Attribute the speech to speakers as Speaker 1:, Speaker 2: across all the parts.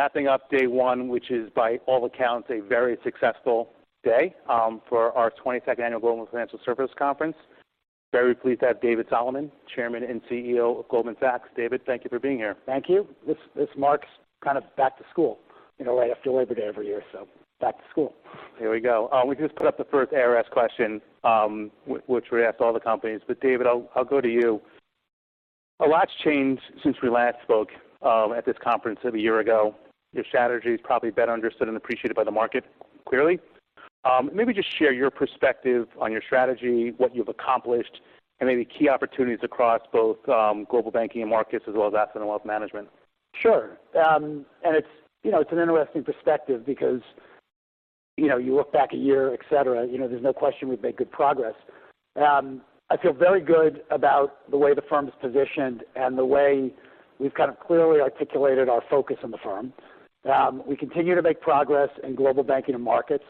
Speaker 1: Wrapping up day one, which is, by all accounts, a very successful day, for our twenty-second annual Global Financial Services Conference. Very pleased to have David Solomon, Chairman and CEO of Goldman Sachs. David, thank you for being here.
Speaker 2: Thank you. This marks kind of back to school, you know, right after Labor Day every year, so back to school.
Speaker 1: Here we go. We just put up the first ARS question, which we ask all the companies, but David, I'll go to you. A lot's changed since we last spoke, at this conference a year ago. Your strategy is probably better understood and appreciated by the market, clearly. Maybe just share your perspective on your strategy, what you've accomplished, and maybe key opportunities across both, global banking and markets, as well as asset and wealth management.
Speaker 2: Sure. And it's, you know, it's an interesting perspective because, you know, you look back a year, et cetera, you know, there's no question we've made good progress. I feel very good about the way the firm is positioned and the way we've kind of clearly articulated our focus on the firm. We continue to make progress in Global Banking and Markets.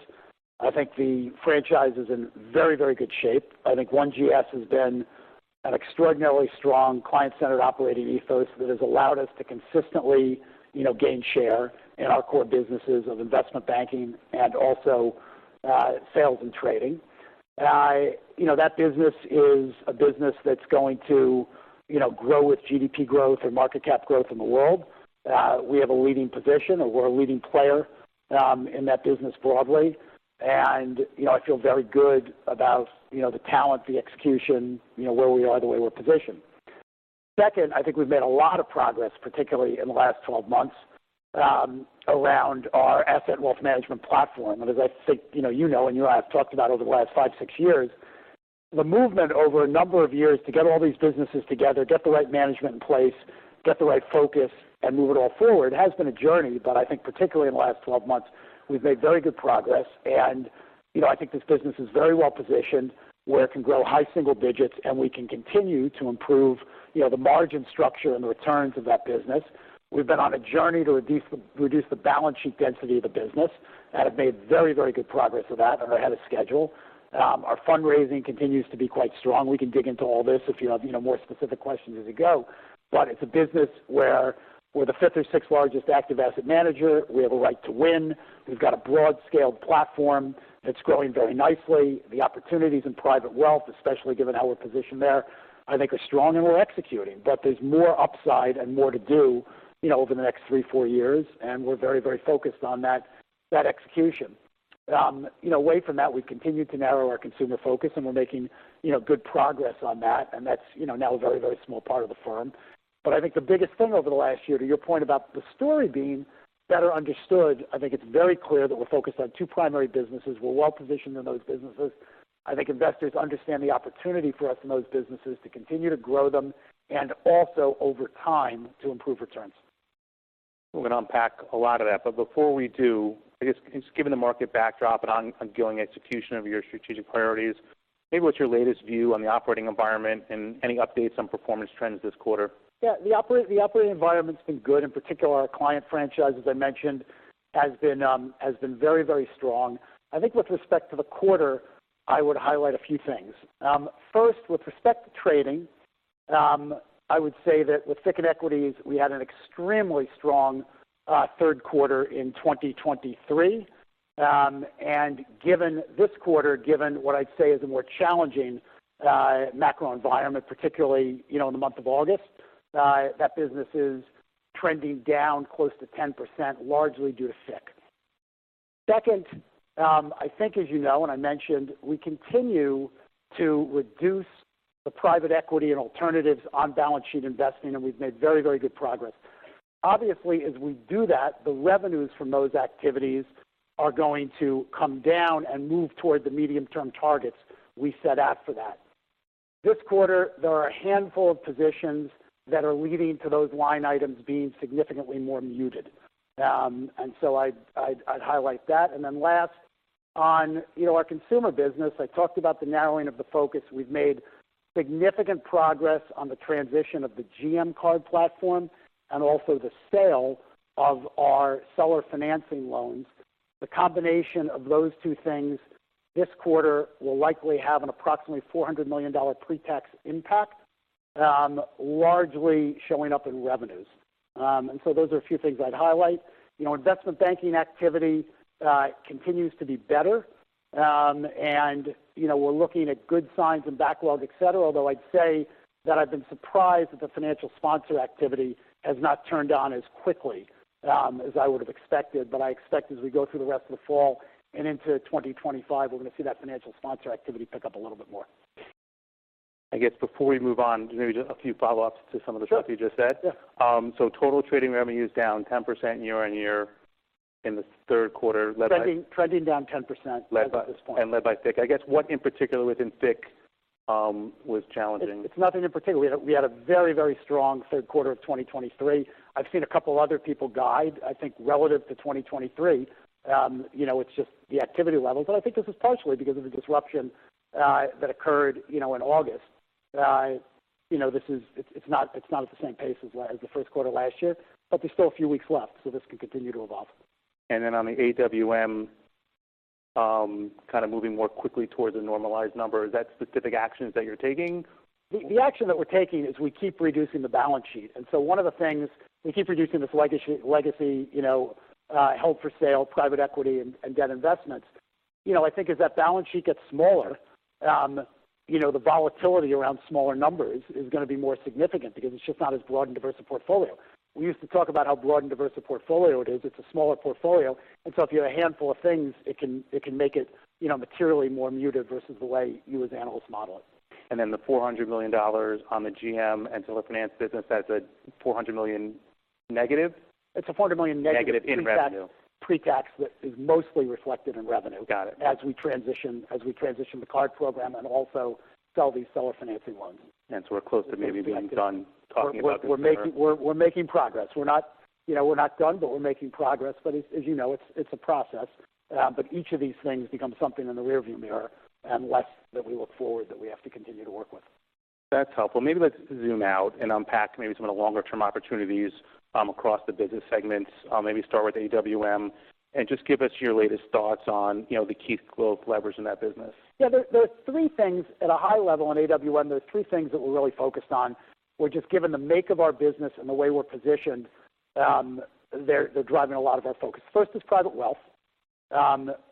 Speaker 2: I think the franchise is in very, very good shape. I think One GS has been an extraordinarily strong client-centered operating ethos that has allowed us to consistently, you know, gain share in our core businesses of investment banking and also, sales and trading. You know, that business is a business that's going to, you know, grow with GDP growth and market cap growth in the world. We have a leading position, or we're a leading player, in that business broadly. You know, I feel very good about, you know, the talent, the execution, you know, where we are, the way we're positioned. Second, I think we've made a lot of progress, particularly in the last 12 months, around our Asset and Wealth Management platform. As I think, you know, you know, and you and I have talked about over the last 5-6 years, the movement over a number of years to get all these businesses together, get the right management in place, get the right focus and move it all forward, has been a journey. I think particularly in the last 12 months, we've made very good progress. You know, I think this business is very well positioned, where it can grow high single digits, and we can continue to improve, you know, the margin structure and the returns of that business. We've been on a journey to reduce the balance sheet density of the business, and have made very, very good progress with that and are ahead of schedule. Our fundraising continues to be quite strong. We can dig into all this if you have, you know, more specific questions as we go. But it's a business where we're the fifth or sixth largest active asset manager. We have a right to win. We've got a broad-scale platform that's growing very nicely. The opportunities in private wealth, especially given how we're positioned there, I think are strong and we're executing. But there's more upside and more to do, you know, over the next 3-4 years, and we're very, very focused on that, that execution. You know, away from that, we've continued to narrow our consumer focus, and we're making, you know, good progress on that, and that's, you know, now a very, very small part of the firm. But I think the biggest thing over the last year, to your point about the story being better understood, I think it's very clear that we're focused on two primary businesses. We're well positioned in those businesses. I think investors understand the opportunity for us in those businesses to continue to grow them and also, over time, to improve returns.
Speaker 1: We're going to unpack a lot of that. But before we do, I guess just given the market backdrop and ongoing execution of your strategic priorities, maybe what's your latest view on the operating environment and any updates on performance trends this quarter?
Speaker 2: Yeah, the operating environment's been good. In particular, our client franchise, as I mentioned, has been, has been very, very strong. I think with respect to the quarter, I would highlight a few things. First, with respect to trading, I would say that with FICC and equities, we had an extremely strong third quarter in 2023, and given this quarter, given what I'd say is a more challenging macro environment, particularly, you know, in the month of August, that business is trending down close to 10%, largely due to FICC. Second, I think, as you know, and I mentioned, we continue to reduce the private equity and alternatives on balance sheet investing, and we've made very, very good progress. Obviously, as we do that, the revenues from those activities are going to come down and move toward the medium-term targets we set out for that. This quarter, there are a handful of positions that are leading to those line items being significantly more muted. And so I'd highlight that. And then last, on, you know, our consumer business, I talked about the narrowing of the focus. We've made significant progress on the transition of the GM Card platform and also the sale of our seller financing loans. The combination of those two things this quarter will likely have an approximately $400 million pre-tax impact, largely showing up in revenues. And so those are a few things I'd highlight. You know, investment banking activity continues to be better. You know, we're looking at good signs and backlogs, et cetera, although I'd say that I've been surprised that the financial sponsor activity has not turned on as quickly as I would have expected. But I expect as we go through the rest of the fall and into twenty twenty-five, we're going to see that financial sponsor activity pick up a little bit more.
Speaker 1: I guess before we move on, maybe just a few follow-ups to some of the stuff you just said.
Speaker 2: Sure. Yeah.
Speaker 1: So total trading revenue is down 10% year on year in the third quarter, led by-
Speaker 2: Trending, trending down 10% at this point.
Speaker 1: Led by FICC. I guess what, in particular, within FICC, was challenging?
Speaker 2: It's nothing in particular. We had a very, very strong third quarter of 2023. I've seen a couple other people guide, I think, relative to 2023. You know, it's just the activity levels, but I think this is partially because of the disruption that occurred, you know, in August. You know, this is... It's not at the same pace as the first quarter of last year, but there's still a few weeks left, so this could continue to evolve.
Speaker 1: And then on the AWM piece, kind of moving more quickly towards a normalized number. Is that specific actions that you're taking?
Speaker 2: The action that we're taking is we keep reducing the balance sheet. And so one of the things, we keep reducing this legacy, you know, held for sale, private equity and debt investments. You know, I think as that balance sheet gets smaller, you know, the volatility around smaller numbers is going to be more significant because it's just not as broad and diverse a portfolio. We used to talk about how broad and diverse a portfolio it is. It's a smaller portfolio, and so if you have a handful of things, it can make it, you know, materially more muted versus the way you, as analysts, model it.
Speaker 1: And then the $400 million on the GM and seller finance business, that's a $400 million negative?
Speaker 2: It's a -$400 million negative-
Speaker 1: Negative in revenue.
Speaker 2: Pre-tax, that is mostly reflected in revenue-
Speaker 1: Got it.
Speaker 2: as we transition the card program and also sell these seller financing loans.
Speaker 1: We're close to maybe being done talking about this-
Speaker 2: We're making progress. We're not, you know, we're not done, but we're making progress, but as you know, it's a process, but each of these things becomes something in the rearview mirror and less that we look forward that we have to continue to work with.
Speaker 1: That's helpful. Maybe let's zoom out and unpack maybe some of the longer-term opportunities, across the business segments. Maybe start with AWM, and just give us your latest thoughts on, you know, the key growth levers in that business.
Speaker 2: Yeah. There are three things at a high level in AWM. There are three things that we're really focused on, which, given the make of our business and the way we're positioned, they're driving a lot of our focus. First is private wealth.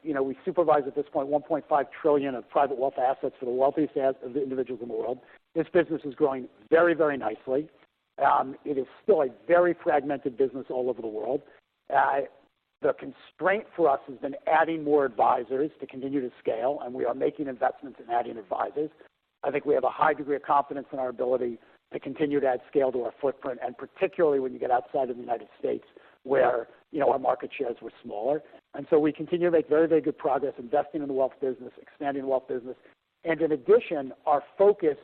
Speaker 2: You know, we supervise, at this point, 1.5 trillion of private wealth assets for the wealthiest individuals in the world. This business is growing very, very nicely. It is still a very fragmented business all over the world. The constraint for us has been adding more advisors to continue to scale, and we are making investments in adding advisors. I think we have a high degree of confidence in our ability to continue to add scale to our footprint, and particularly when you get outside of the United States, where, you know, our market shares were smaller. And so we continue to make very, very good progress investing in the wealth business, expanding the wealth business. And in addition, our focus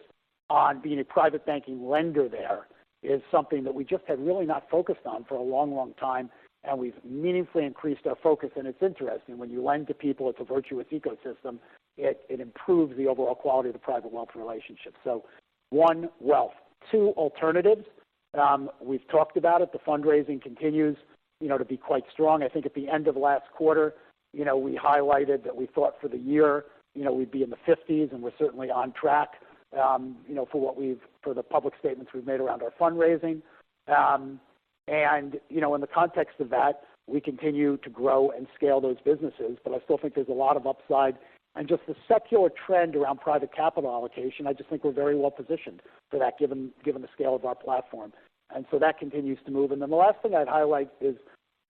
Speaker 2: on being a private banking lender there is something that we just had really not focused on for a long, long time, and we've meaningfully increased our focus. And it's interesting, when you lend to people, it's a virtuous ecosystem. It improves the overall quality of the private wealth relationship. So one, wealth. Two, alternatives. We've talked about it. The fundraising continues, you know, to be quite strong. I think at the end of last quarter, you know, we highlighted that we thought for the year, you know, we'd be in the fifties, and we're certainly on track, you know, for the public statements we've made around our fundraising. And you know, in the context of that, we continue to grow and scale those businesses, but I still think there's a lot of upside. And just the secular trend around private capital allocation, I just think we're very well positioned for that, given the scale of our platform, and so that continues to move. And then the last thing I'd highlight is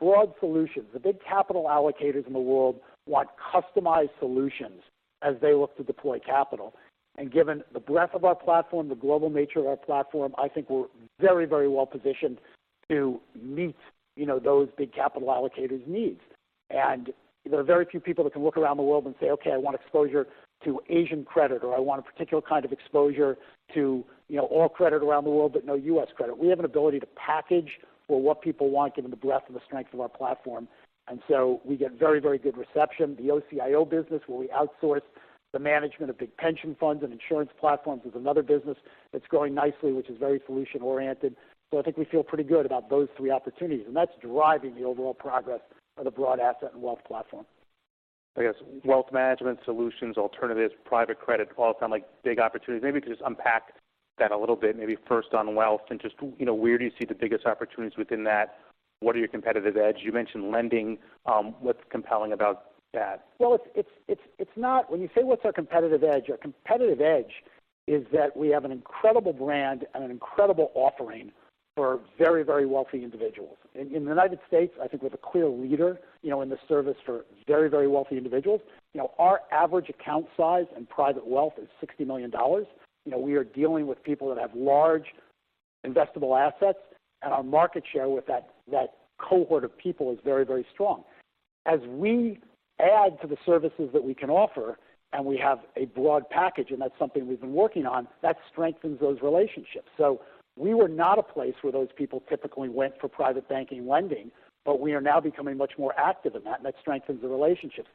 Speaker 2: broad solutions. The big capital allocators in the world want customized solutions as they look to deploy capital. And given the breadth of our platform, the global nature of our platform, I think we're very, very well positioned to meet, you know, those big capital allocators' needs. And there are very few people that can look around the world and say, "Okay, I want exposure to Asian credit," or, "I want a particular kind of exposure to, you know, all credit around the world, but no US credit." We have an ability to package for what people want, given the breadth and the strength of our platform, and so we get very, very good reception. The OCIO business, where we outsource the management of big pension funds and insurance platforms, is another business that's growing nicely, which is very solution-oriented. So I think we feel pretty good about those three opportunities, and that's driving the overall progress of the broad asset and wealth platform.
Speaker 1: I guess, wealth management solutions, alternatives, private credit all sound like big opportunities. Maybe just unpack that a little bit, maybe first on wealth, and just, you know, where do you see the biggest opportunities within that? What are your competitive edge? You mentioned lending. What's compelling about that?
Speaker 2: It's not. When you say, what's our competitive edge, our competitive edge is that we have an incredible brand and an incredible offering for very, very wealthy individuals. In the United States, I think we're the clear leader, you know, in the service for very, very wealthy individuals. You know, our average account size in private wealth is $60 million. You know, we are dealing with people that have large investable assets, and our market share with that cohort of people is very, very strong. As we add to the services that we can offer, and we have a broad package, and that's something we've been working on, that strengthens those relationships. So we were not a place where those people typically went for private banking lending, but we are now becoming much more active in that, and that strengthens the relationship.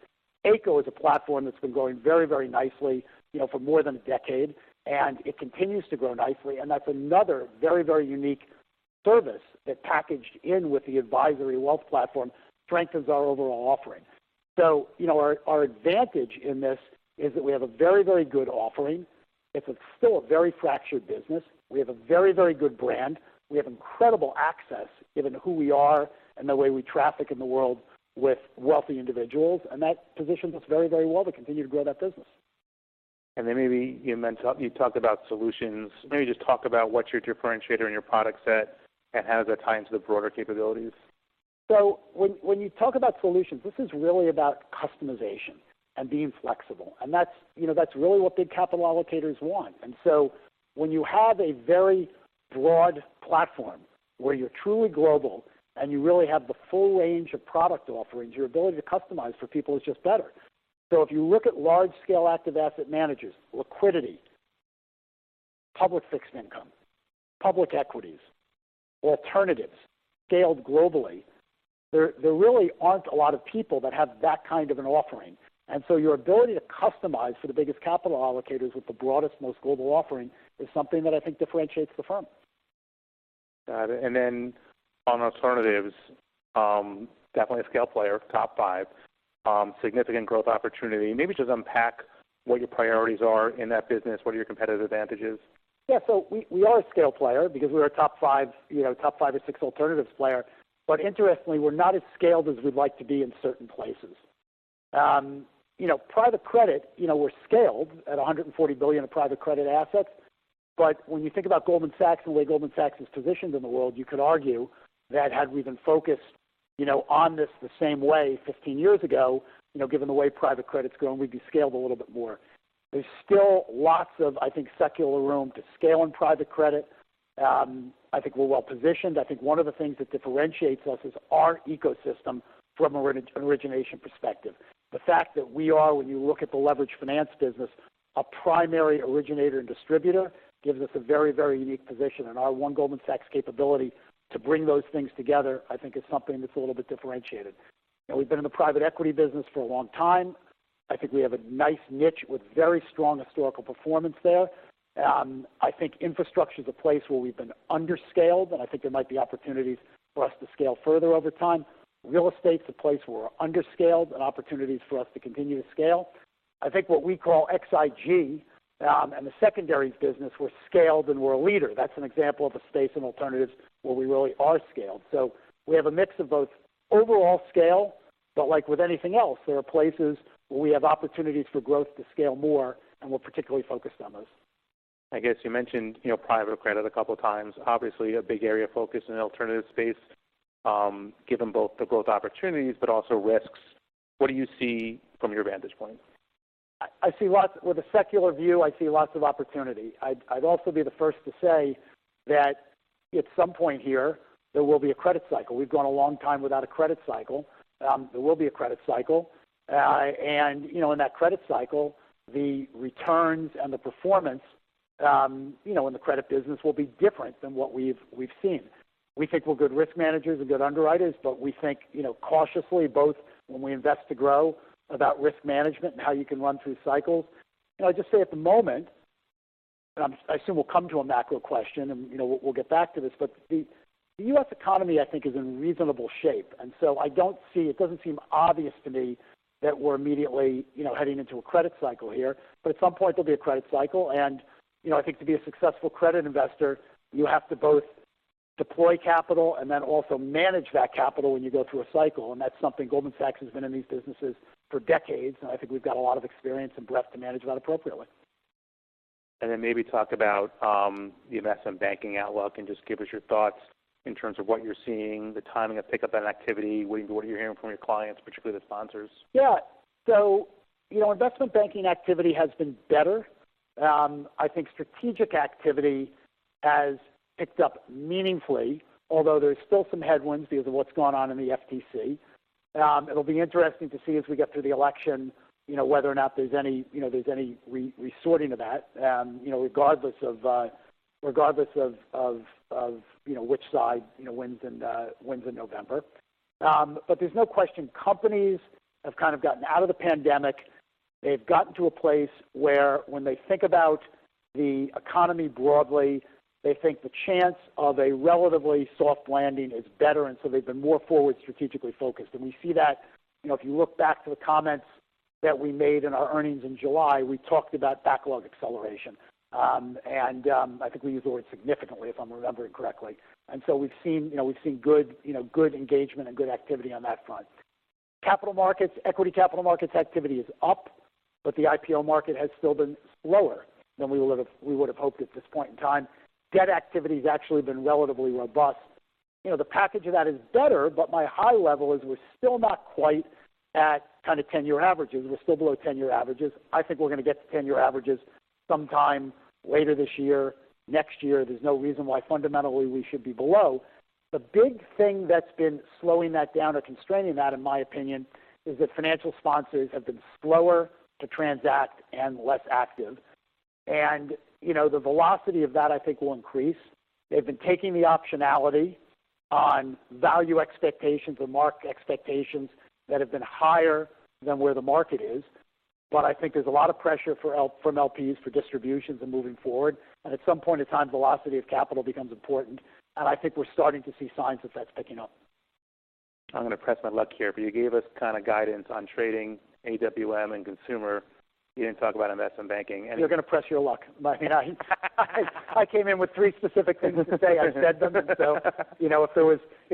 Speaker 2: Ayco is a platform that's been growing very, very nicely, you know, for more than a decade, and it continues to grow nicely, and that's another very, very unique service that, packaged in with the advisory wealth platform, strengthens our overall offering, so you know, our advantage in this is that we have a very, very good offering. It's still a very fractured business. We have a very, very good brand. We have incredible access, given who we are and the way we traffic in the world with wealthy individuals, and that positions us very, very well to continue to grow that business.
Speaker 1: Then maybe you meant you talked about solutions. Maybe just talk about what's your differentiator in your product set, and how does that tie into the broader capabilities?
Speaker 2: So when you talk about solutions, this is really about customization and being flexible, and that's, you know, that's really what big capital allocators want. And so when you have a very broad platform where you're truly global and you really have the full range of product offerings, your ability to customize for people is just better. So if you look at large-scale active asset managers, liquidity, public fixed income, public equities, alternatives scaled globally, there really aren't a lot of people that have that kind of an offering. And so your ability to customize for the biggest capital allocators with the broadest, most global offering is something that I think differentiates the firm....
Speaker 1: Got it. And then on alternatives, definitely a scale player, top five, significant growth opportunity. Maybe just unpack what your priorities are in that business. What are your competitive advantages?
Speaker 2: Yeah, so we are a scale player because we're a top five, you know, top five or six alternatives player. But interestingly, we're not as scaled as we'd like to be in certain places. You know, private credit, you know, we're scaled at $140 billion of private credit assets. But when you think about Goldman Sachs, and the way Goldman Sachs is positioned in the world, you could argue that had we been focused, you know, on this the same way 15 years ago, you know, given the way private credit's going, we'd be scaled a little bit more. There's still lots of, I think, secular room to scale in private credit. I think we're well positioned. I think one of the things that differentiates us is our ecosystem from an origination perspective. The fact that we are, when you look at the leveraged finance business, a primary originator and distributor, gives us a very, very unique position, and our One Goldman Sachs capability to bring those things together, I think is something that's a little bit differentiated. Now, we've been in the private equity business for a long time. I think we have a nice niche with very strong historical performance there. I think infrastructure is a place where we've been under-scaled, and I think there might be opportunities for us to scale further over time. Real estate is a place where we're under-scaled and opportunities for us to continue to scale. I think what we call XIG, and the secondary business, we're scaled, and we're a leader. That's an example of a space in alternatives where we really are scaled. So we have a mix of both overall scale, but like with anything else, there are places where we have opportunities for growth to scale more, and we're particularly focused on those.
Speaker 1: I guess you mentioned, you know, private credit a couple of times. Obviously, a big area of focus in the alternative space, given both the growth opportunities but also risks. What do you see from your vantage point?
Speaker 2: I see lots... With a secular view, I see lots of opportunity. I'd also be the first to say that at some point here, there will be a credit cycle. We've gone a long time without a credit cycle. There will be a credit cycle, and you know, in that credit cycle, the returns and the performance, you know, in the credit business will be different than what we've seen. We think we're good risk managers and good underwriters, but we think you know cautiously both when we invest to grow about risk management and how you can run through cycles. And I'd just say at the moment, and I'm. I assume we'll come to a macro question, and, you know, we'll get back to this, but the U.S. economy, I think, is in reasonable shape, and so I don't see, it doesn't seem obvious to me that we're immediately, you know, heading into a credit cycle here. But at some point, there'll be a credit cycle, and, you know, I think to be a successful credit investor, you have to both deploy capital and then also manage that capital when you go through a cycle. And that's something Goldman Sachs has been in these businesses for decades, and I think we've got a lot of experience and breadth to manage that appropriately.
Speaker 1: Then maybe talk about the investment banking outlook, and just give us your thoughts in terms of what you're seeing, the timing of pickup and activity, what you're hearing from your clients, particularly the sponsors.
Speaker 2: Yeah. So, you know, investment banking activity has been better. I think strategic activity has picked up meaningfully, although there's still some headwinds because of what's gone on in the FTC. It'll be interesting to see as we get through the election, you know, whether or not there's any resorting of that, you know, regardless of which side wins in November. But there's no question, companies have kind of gotten out of the pandemic. They've gotten to a place where when they think about the economy broadly, they think the chance of a relatively soft landing is better, and so they've been more forward strategically focused. And we see that, you know, if you look back to the comments that we made in our earnings in July, we talked about backlog acceleration. I think we used the word significantly, if I'm remembering correctly. And so we've seen, you know, we've seen good, you know, good engagement and good activity on that front. Capital markets, equity capital markets activity is up, but the IPO market has still been slower than we would have hoped at this point in time. Debt activity has actually been relatively robust. You know, the package of that is better, but my high level is we're still not quite at kind of ten-year averages. We're still below ten-year averages. I think we're going to get to ten-year averages sometime later this year, next year. There's no reason why fundamentally we should be below. The big thing that's been slowing that down or constraining that, in my opinion, is that financial sponsors have been slower to transact and less active. And, you know, the velocity of that, I think, will increase. They've been taking the optionality on value expectations or mark expectations that have been higher than where the market is. But I think there's a lot of pressure from LPs for distributions and moving forward, and at some point in time, velocity of capital becomes important, and I think we're starting to see signs that that's picking up.
Speaker 1: I'm going to press my luck here, but you gave us kind of guidance on trading, AWM, and consumer. You didn't talk about investment banking, and-
Speaker 2: You're going to press your luck. I mean, I came in with three specific things to say. I said them. So, you know, if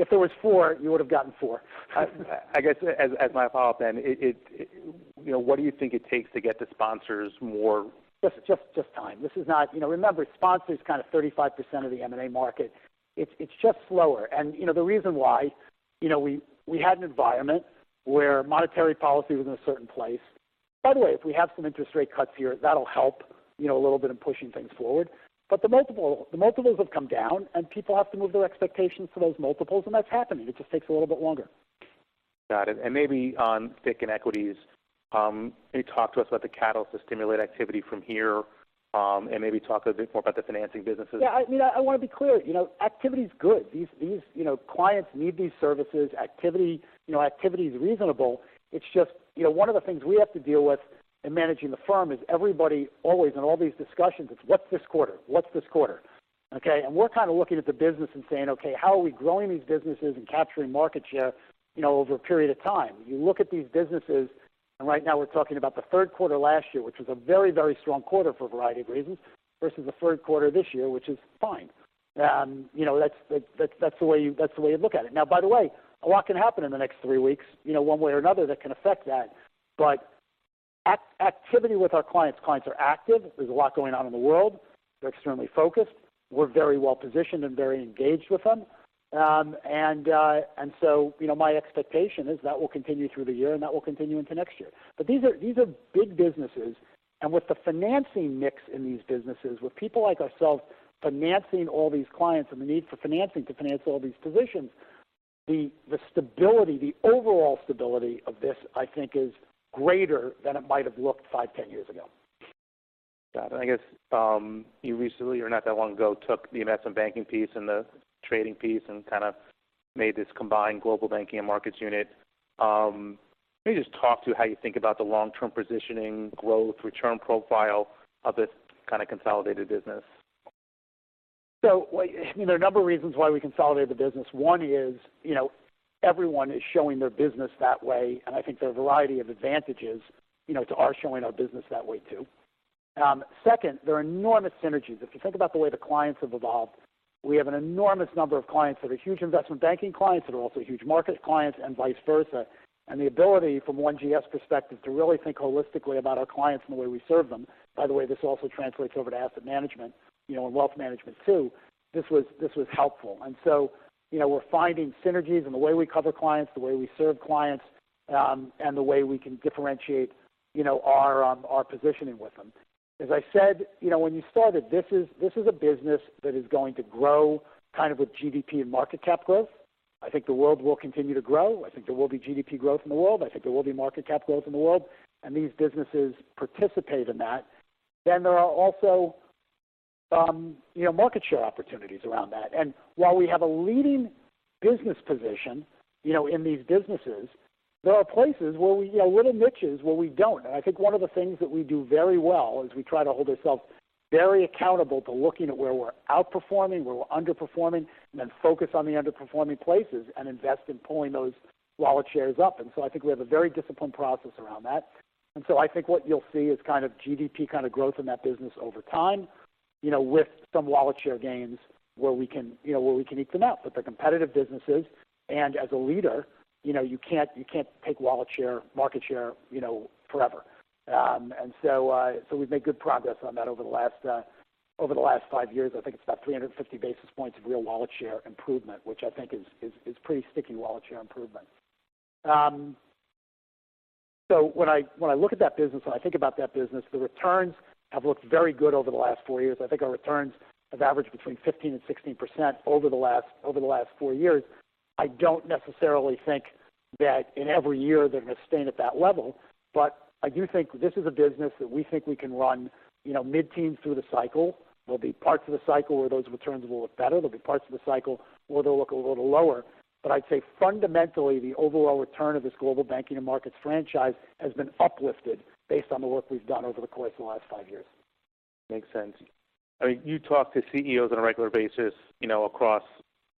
Speaker 2: there was four, you would have gotten four.
Speaker 1: I guess as my follow-up then. You know, what do you think it takes to get the sponsors more?
Speaker 2: Just time. This is not... You know, remember, sponsors kind of 35% of the M&A market. It's just slower, and, you know, the reason why, you know, we had an environment where monetary policy was in a certain place. By the way, if we have some interest rate cuts here, that'll help, you know, a little bit in pushing things forward. But the multiple, the multiples have come down, and people have to move their expectations for those multiples, and that's happening. It just takes a little bit longer.
Speaker 1: Got it. And maybe on FICC and equities, can you talk to us about the catalyst to stimulate activity from here? And maybe talk a bit more about the financing businesses.
Speaker 2: Yeah, I mean, I want to be clear, you know, activity is good. These you know, clients need these services. Activity, you know, activity is reasonable. It's just, you know, one of the things we have to deal with in managing the firm is everybody, always, in all these discussions, it's what's this quarter? What's this quarter?... Okay, and we're kind of looking at the business and saying, okay, how are we growing these businesses and capturing market share, you know, over a period of time? You look at these businesses, and right now we're talking about the third quarter last year, which was a very, very strong quarter for a variety of reasons, versus the third quarter this year, which is fine. You know, that's the way you look at it. Now, by the way, a lot can happen in the next three weeks, you know, one way or another, that can affect that. But activity with our clients, clients are active. There's a lot going on in the world. They're extremely focused. We're very well positioned and very engaged with them. And so, you know, my expectation is that will continue through the year, and that will continue into next year. But these are, these are big businesses, and with the financing mix in these businesses, with people like ourselves financing all these clients and the need for financing to finance all these positions, the, the stability, the overall stability of this, I think, is greater than it might have looked five, ten years ago.
Speaker 1: Got it. I guess, you recently or not that long ago, took the investment banking piece and the trading piece and kind of made this combined Global Banking and Markets unit. Can you just talk to how you think about the long-term positioning, growth, return profile of this kind of consolidated business?
Speaker 2: I mean, there are a number of reasons why we consolidated the business. One is, you know, everyone is showing their business that way, and I think there are a variety of advantages, you know, to our showing our business that way too. Second, there are enormous synergies. If you think about the way the clients have evolved, we have an enormous number of clients that are huge investment banking clients, that are also huge markets clients, and vice versa. And the ability from one GS perspective, to really think holistically about our clients and the way we serve them, by the way, this also translates over to asset management, you know, and wealth management too. This was helpful. So, you know, we're finding synergies in the way we cover clients, the way we serve clients, and the way we can differentiate, you know, our positioning with them. As I said, you know, when you started, this is a business that is going to grow kind of with GDP and market cap growth. I think the world will continue to grow. I think there will be GDP growth in the world. I think there will be market cap growth in the world, and these businesses participate in that. Then there are also, you know, market share opportunities around that. And while we have a leading business position, you know, in these businesses, there are places where we, you know, little niches where we don't. I think one of the things that we do very well is we try to hold ourselves very accountable to looking at where we're outperforming, where we're underperforming, and then focus on the underperforming places and invest in pulling those wallet shares up. I think we have a very disciplined process around that. I think what you'll see is kind of GDP, kind of growth in that business over time, you know, with some wallet share gains where we can, you know, where we can eke them out. They're competitive businesses, and as a leader, you know, you can't, you can't take wallet share, market share, you know, forever. We've made good progress on that over the last five years. I think it's about 350 basis points of real wallet share improvement, which I think is pretty sticky wallet share improvement. So when I look at that business, when I think about that business, the returns have looked very good over the last four years. I think our returns have averaged between 15 and 16% over the last four years. I don't necessarily think that in every year they're going to stay at that level. But I do think this is a business that we think we can run, you know, mid-teen through the cycle. There'll be parts of the cycle where those returns will look better. There'll be parts of the cycle where they'll look a little lower. But I'd say fundamentally, the overall return of this Global Banking and Markets franchise has been uplifted based on the work we've done over the course of the last five years.
Speaker 1: Makes sense. I mean, you talk to CEOs on a regular basis, you know, across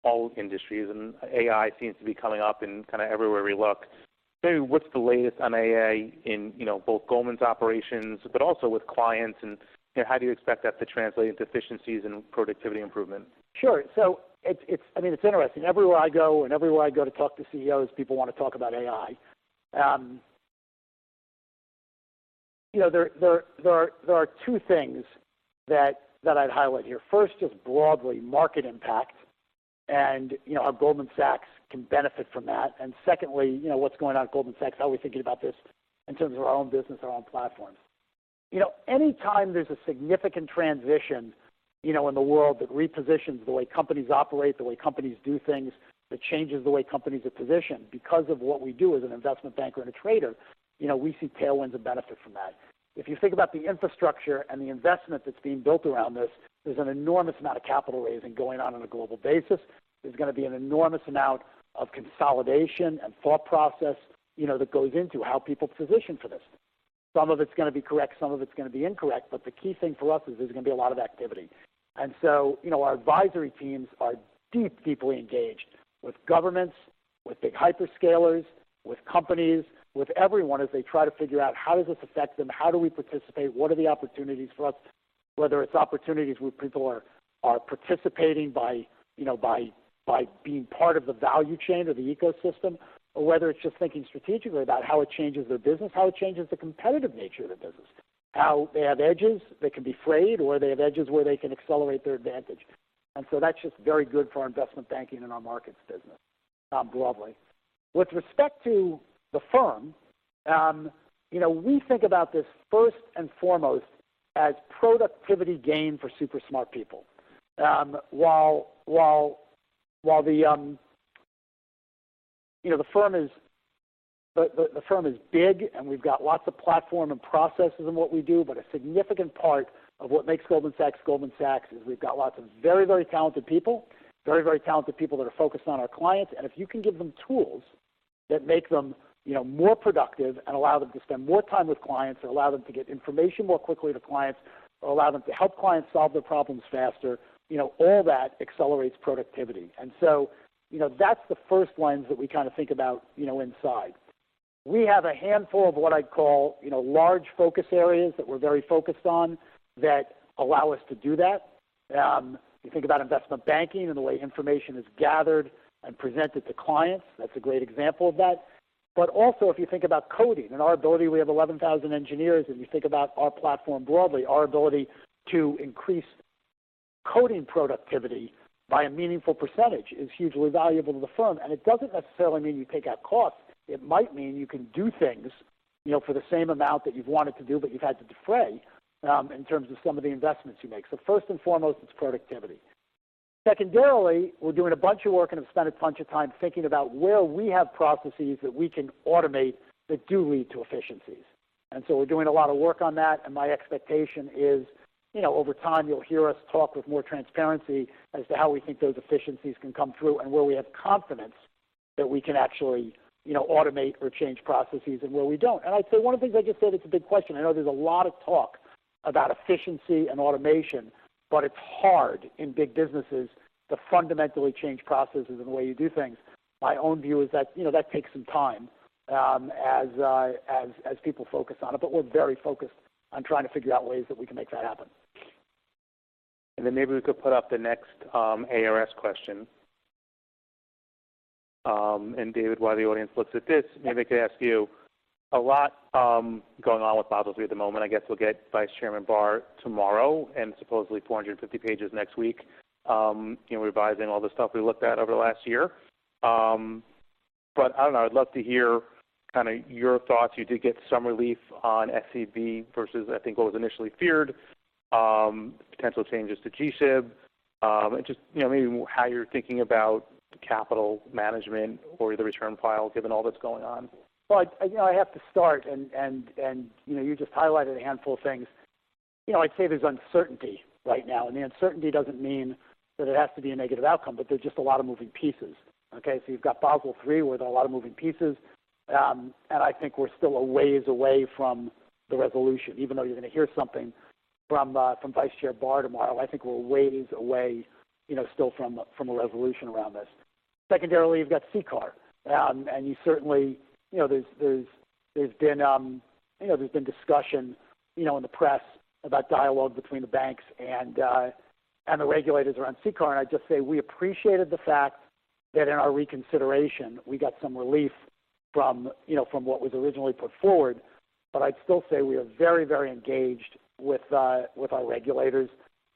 Speaker 1: all industries, and AI seems to be coming up in kind of everywhere we look. Maybe what's the latest on AI in, you know, both Goldman's operations, but also with clients, and, you know, how do you expect that to translate into efficiencies and productivity improvement?
Speaker 2: Sure. So I mean, it's interesting. Everywhere I go, and everywhere I go to talk to CEOs, people want to talk about AI. You know, there are two things that I'd highlight here. First, just broadly, market impact, and you know, how Goldman Sachs can benefit from that. And secondly, you know, what's going on at Goldman Sachs? How are we thinking about this in terms of our own business, our own platform? You know, anytime there's a significant transition, you know, in the world, that repositions the way companies operate, the way companies do things, that changes the way companies are positioned, because of what we do as an investment banker and a trader, you know, we see tailwinds and benefit from that. If you think about the infrastructure and the investment that's being built around this, there's an enormous amount of capital raising going on on a global basis. There's going to be an enormous amount of consolidation and thought process, you know, that goes into how people position for this. Some of it's going to be correct, some of it's going to be incorrect, but the key thing for us is there's going to be a lot of activity. And so, you know, our advisory teams are deep, deeply engaged with governments, with big hyperscalers, with companies, with everyone, as they try to figure out how does this affect them? How do we participate? What are the opportunities for us? Whether it's opportunities where people are participating by, you know, being part of the value chain or the ecosystem, or whether it's just thinking strategically about how it changes their business, how it changes the competitive nature of their business, how they have edges that can be frayed, or they have edges where they can accelerate their advantage. And so that's just very good for our investment banking and our markets business, broadly. With respect to the firm, you know, we think about this first and foremost as productivity gain for super smart people. While the firm is big, and we've got lots of platform and processes in what we do, but a significant part of what makes Goldman Sachs, Goldman Sachs, is we've got lots of very, very talented people. Very, very talented people that are focused on our clients, and if you can give them tools that make them, you know, more productive and allow them to spend more time with clients, and allow them to get information more quickly to clients, or allow them to help clients solve their problems faster, you know, all that accelerates productivity, and so, you know, that's the first lens that we kind of think about, you know, inside. We have a handful of what I'd call, you know, large focus areas that we're very focused on, that allow us to do that. You think about investment banking and the way information is gathered and presented to clients, that's a great example of that. But also, if you think about coding and our ability, we have 11,000 engineers, if you think about our platform broadly, our ability to increase coding productivity by a meaningful percentage is hugely valuable to the firm. And it doesn't necessarily mean you take out costs. It might mean you can do things, you know, for the same amount that you've wanted to do, but you've had to defray in terms of some of the investments you make. So first and foremost, it's productivity. Secondarily, we're doing a bunch of work and have spent a bunch of time thinking about where we have processes that we can automate that do lead to efficiencies. And so we're doing a lot of work on that, and my expectation is, you know, over time, you'll hear us talk with more transparency as to how we think those efficiencies can come through, and where we have confidence that we can actually, you know, automate or change processes and where we don't. And I'd say one of the things I just said, it's a big question. I know there's a lot of talk about efficiency and automation, but it's hard in big businesses to fundamentally change processes and the way you do things. My own view is that, you know, that takes some time, as people focus on it, but we're very focused on trying to figure out ways that we can make that happen.
Speaker 1: And then maybe we could put up the next ARS question. David, while the audience looks at this, maybe I could ask you about a lot going on with Basel III at the moment. I guess we'll get Vice Chairman Barr tomorrow, and supposedly 450 pages next week. You know, revising all the stuff we looked at over the last year. But I don't know. I'd love to hear kind of your thoughts. You did get some relief on SCB versus, I think, what was initially feared, potential changes to G-SIB. And just, you know, maybe how you're thinking about capital management or the return profile, given all that's going on.
Speaker 2: Well, you know, I have to start, and you know, you just highlighted a handful of things. You know, I'd say there's uncertainty right now, and the uncertainty doesn't mean that it has to be a negative outcome, but there's just a lot of moving pieces. Okay, so you've got Basel III with a lot of moving pieces, and I think we're still a ways away from the resolution. Even though you're gonna hear something from Vice Chair Barr tomorrow, I think we're a ways away, you know, still from a resolution around this. Secondarily, you've got CCAR, and you certainly you know, there's been discussion, you know, in the press about dialogue between the banks and the regulators around CCAR. I'd just say, we appreciated the fact that in our reconsideration, we got some relief from, you know, from what was originally put forward. But I'd still say we are very, very engaged with our regulators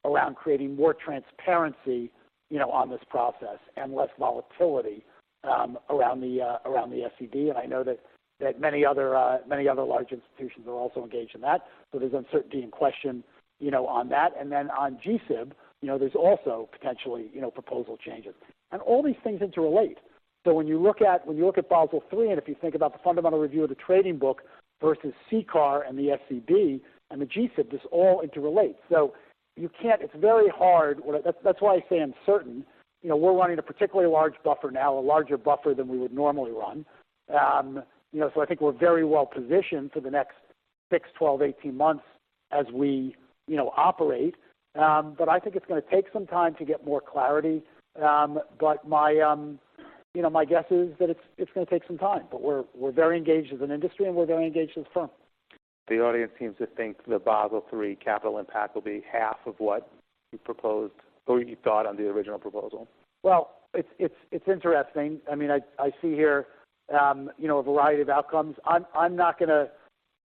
Speaker 2: around creating more transparency, you know, on this process, and less volatility around the SCB. And I know that many other large institutions are also engaged in that. So there's uncertainty and question, you know, on that. And then on G-SIB, you know, there's also potentially, you know, proposal changes. And all these things interrelate. So when you look at Basel III, and if you think about the fundamental review of the trading book versus CCAR and the SCB and the G-SIB, this all interrelate. So you can't. It's very hard. That's why I say uncertain. You know, we're running a particularly large buffer now, a larger buffer than we would normally run. You know, so I think we're very well positioned for the next six, twelve, eighteen months as we, you know, operate, but I think it's gonna take some time to get more clarity, but, you know, my guess is that it's gonna take some time, but we're very engaged as an industry, and we're very engaged as a firm.
Speaker 1: The audience seems to think the Basel III capital impact will be half of what you proposed or you thought on the original proposal.
Speaker 2: It's interesting. I mean, I see here, you know, a variety of outcomes. I'm not gonna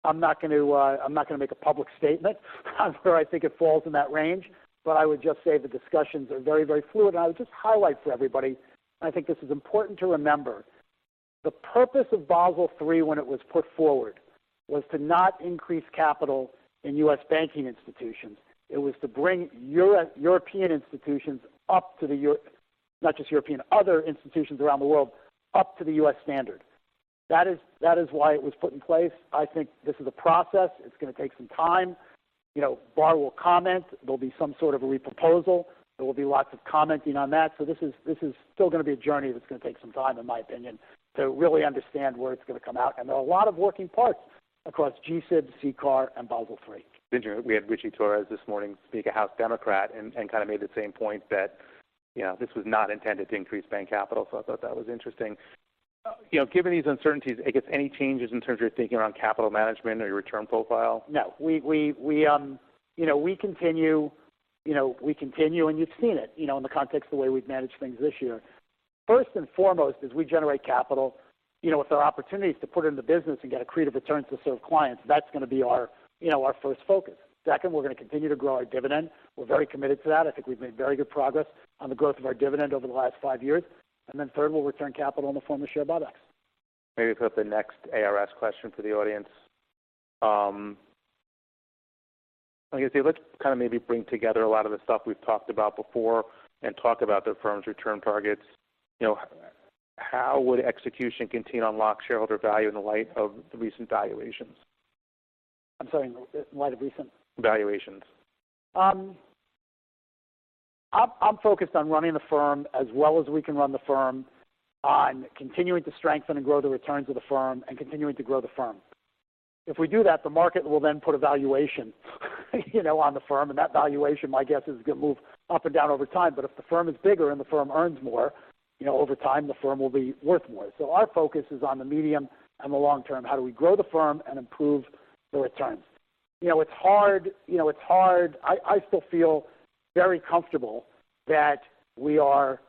Speaker 2: make a public statement on where I think it falls in that range, but I would just say the discussions are very, very fluid. I would just highlight for everybody, I think this is important to remember, the purpose of Basel III, when it was put forward, was to not increase capital in U.S. banking institutions. It was to bring European institutions up to the not just European, other institutions around the world, up to the U.S. standard. That is why it was put in place. I think this is a process. It's gonna take some time. You know, Barr will comment. There'll be some sort of a reproposal. There will be lots of commenting on that. So this is still gonna be a journey that's gonna take some time, in my opinion, to really understand where it's gonna come out, and there are a lot of working parts across G-SIB, CCAR, and Basel III.
Speaker 1: We had Ritchie Torres this morning, a House Democrat, and kind of made the same point that, you know, this was not intended to increase bank capital, so I thought that was interesting. You know, given these uncertainties, I guess, any changes in terms of your thinking around capital management or your return profile?
Speaker 2: No, we continue, you know, and you've seen it, you know, in the context of the way we've managed things this year. First and foremost is we generate capital, you know, if there are opportunities to put it in the business and get accretive returns to serve clients, that's gonna be our, you know, first focus. Second, we're gonna continue to grow our dividend. We're very committed to that. I think we've made very good progress on the growth of our dividend over the last five years. And then third, we'll return capital in the form of share buybacks.
Speaker 1: Maybe put up the next ARS question for the audience. I guess, let's kind of maybe bring together a lot of the stuff we've talked about before and talk about the firm's return targets. You know, how would execution continue to unlock shareholder value in the light of the recent valuations?
Speaker 2: I'm sorry, in light of recent?
Speaker 1: Valuations.
Speaker 2: I'm focused on running the firm as well as we can run the firm, on continuing to strengthen and grow the returns of the firm, and continuing to grow the firm. If we do that, the market will then put a valuation, you know, on the firm, and that valuation, my guess is, is gonna move up and down over time. But if the firm is bigger and the firm earns more, you know, over time, the firm will be worth more. So our focus is on the medium and the long term. How do we grow the firm and improve the returns? You know, it's hard. I still feel very comfortable that we are,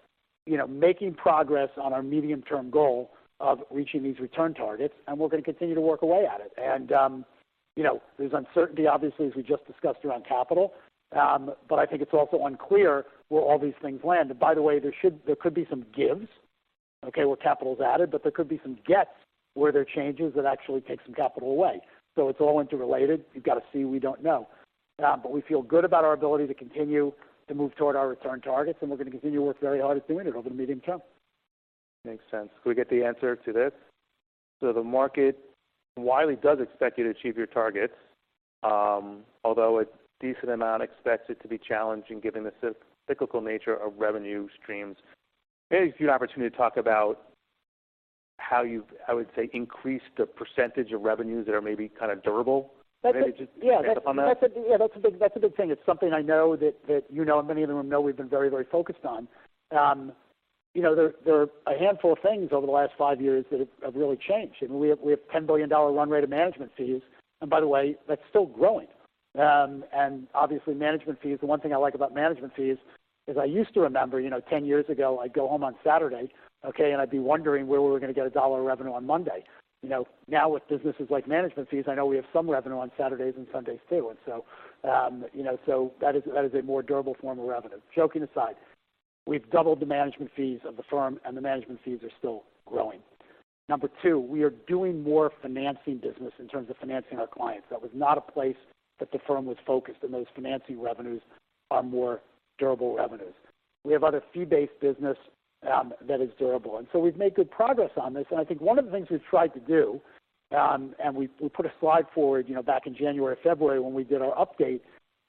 Speaker 2: you know, making progress on our medium-term goal of reaching these return targets, and we're gonna continue to work away at it. You know, there's uncertainty, obviously, as we just discussed, around capital. But I think it's also unclear where all these things land. And by the way, there could be some gives, okay, where capital is added, but there could be some gets, where there are changes that actually take some capital away. So it's all interrelated. You've got to see; we don't know. But we feel good about our ability to continue to move toward our return targets, and we're gonna continue to work very hard at doing it over the medium term.
Speaker 1: Makes sense. Can we get the answer to this? So the market widely does expect you to achieve your targets, although a decent amount expects it to be challenging, given the cyclical nature of revenue streams. Maybe a few opportunity to talk about how you've, I would say, increased the percentage of revenues that are maybe kind of durable?
Speaker 2: That's it-
Speaker 1: Maybe just expand upon that.
Speaker 2: Yeah, that's a big thing. It's something I know that you know, and many of them know we've been very, very focused on. You know, there are a handful of things over the last five years that have really changed, and we have $10 billion run rate of management fees, and by the way, that's still growing. And obviously, management fees, the one thing I like about management fees is I used to remember, you know, 10 years ago, I'd go home on Saturday, okay, and I'd be wondering where we were gonna get a dollar of revenue on Monday. You know, now with businesses like management fees, I know we have some revenue on Saturdays and Sundays too. And so, you know, so that is a more durable form of revenue. Joking aside, we've doubled the management fees of the firm, and the management fees are still growing. Number two, we are doing more financing business in terms of financing our clients. That was not a place that the firm was focused, and those financing revenues are more durable revenues. We have other fee-based business that is durable, and so we've made good progress on this. And I think one of the things we've tried to do, and we put a slide forward, you know, back in January, February, when we did our update,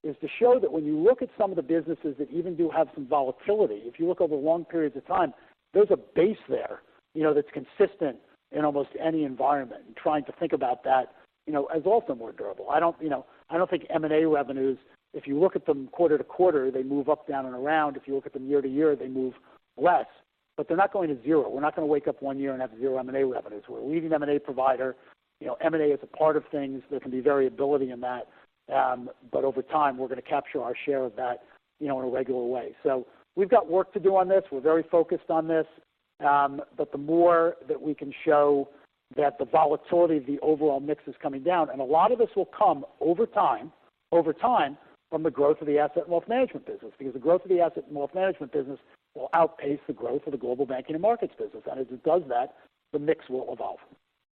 Speaker 2: is to show that when you look at some of the businesses that even do have some volatility, if you look over long periods of time, there's a base there, you know, that's consistent in almost any environment, and trying to think about that, you know, as also more durable. I don't, you know, I don't think M&A revenues, if you look at them quarter to quarter, they move up, down, and around. If you look at them year to year, they move less, but they're not going to zero. We're not gonna wake up one year and have zero M&A revenues. We're a leading M&A provider. You know, M&A is a part of things. There can be variability in that, but over time, we're gonna capture our share of that, you know, in a regular way. So we've got work to do on this. We're very focused on this, but the more that we can show that the volatility of the overall mix is coming down, and a lot of this will come over time, over time, from the growth of the Asset and Wealth Management business. Because the growth of the Asset and Wealth Management business will outpace the growth of the Global Banking and Markets business, and as it does that, the mix will evolve.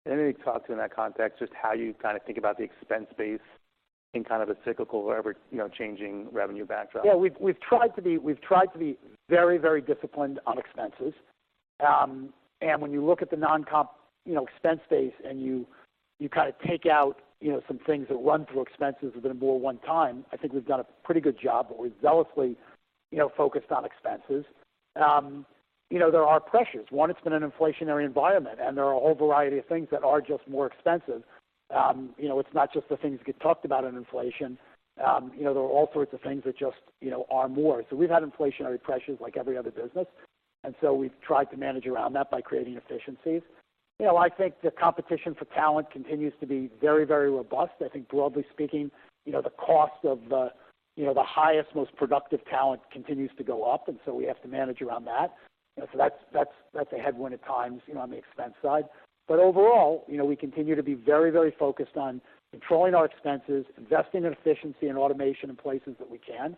Speaker 1: Let me talk to, in that context, just how you kind of think about the expense base in kind of a cyclical or, you know, changing revenue backdrop.
Speaker 2: Yeah, we've tried to be very, very disciplined on expenses. And when you look at the non-comp, you know, expense base, and you kind of take out, you know, some things that run through expenses that have been more one time, I think we've done a pretty good job, but we're zealously, you know, focused on expenses. You know, there are pressures. One, it's been an inflationary environment, and there are a whole variety of things that are just more expensive. You know, it's not just the things that get talked about in inflation. You know, there are all sorts of things that just, you know, are more. So we've had inflationary pressures like every other business, and so we've tried to manage around that by creating efficiencies. You know, I think the competition for talent continues to be very, very robust. I think broadly speaking, you know, the cost of the, you know, the highest, most productive talent continues to go up, and so we have to manage around that. You know, so that's a headwind at times, you know, on the expense side. But overall, you know, we continue to be very, very focused on controlling our expenses, investing in efficiency and automation in places that we can.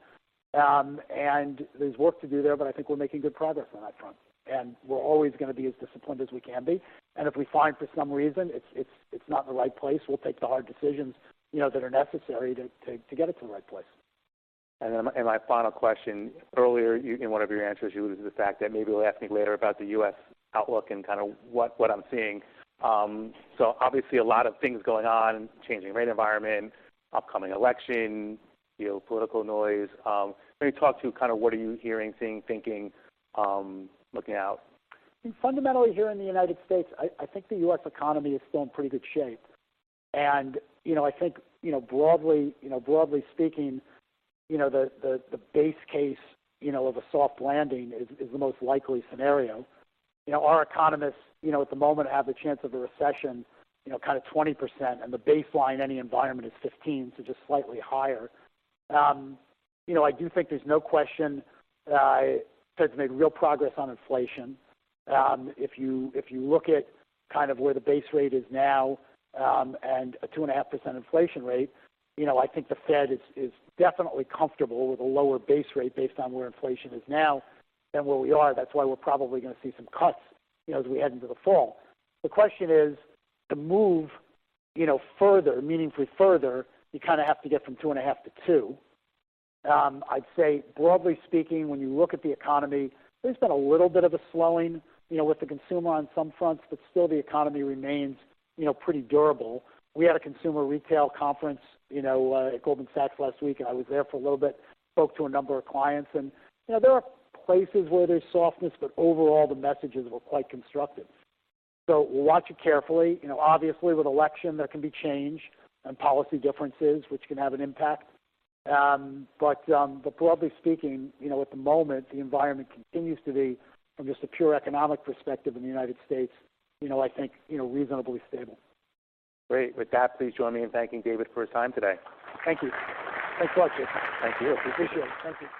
Speaker 2: And there's work to do there, but I think we're making good progress on that front, and we're always gonna be as disciplined as we can be. If we find for some reason it's not in the right place, we'll take the hard decisions, you know, that are necessary to get it to the right place.
Speaker 1: My final question: earlier, you, in one of your answers, you raised the fact that maybe we'll ask me later about the U.S. outlook and kind of what, what I'm seeing. So obviously, a lot of things going on, changing rate environment, upcoming election, you know, political noise. Maybe talk to kind of what are you hearing, seeing, thinking, looking out?
Speaker 2: Fundamentally, here in the United States, I think the US economy is still in pretty good shape, and you know, I think, you know, broadly, you know, broadly speaking, you know, the base case, you know, of a soft landing is the most likely scenario. You know, our economists, you know, at the moment, have the chance of a recession, you know, kind of 20%, and the baseline in any environment is 15, so just slightly higher. You know, I do think there's no question, the Fed's made real progress on inflation. If you look at kind of where the base rate is now, and a 2.5% inflation rate, you know, I think the Fed is definitely comfortable with a lower base rate based on where inflation is now than where we are. That's why we're probably gonna see some cuts, you know, as we head into the fall. The question is, to move, you know, further, meaningfully further, you kind of have to get from two and a half to two. I'd say, broadly speaking, when you look at the economy, there's been a little bit of a slowing, you know, with the consumer on some fronts, but still, the economy remains, you know, pretty durable. We had a consumer retail conference, you know, at Goldman Sachs last week, and I was there for a little bit. Spoke to a number of clients, and, you know, there are places where there's softness, but overall, the messages were quite constructive. So we'll watch it carefully. You know, obviously, with election, there can be change and policy differences, which can have an impact. Broadly speaking, you know, at the moment, the environment continues to be, from just a pure economic perspective in the United States, you know, I think, you know, reasonably stable.
Speaker 1: Great. With that, please join me in thanking David for his time today.
Speaker 2: Thank you. Thanks a lot, Jim.
Speaker 1: Thank you.
Speaker 2: Appreciate it. Thank you.